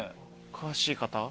詳しい方。